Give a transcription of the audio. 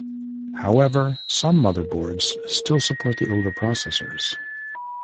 However, some motherboards still support the older processors.